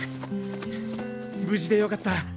無事でよかった！